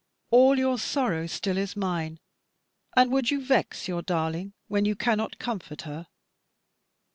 All your sorrow still is mine, and would you vex your darling, when you cannot comfort her?